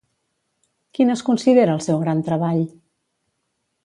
Quin es considera el seu gran treball?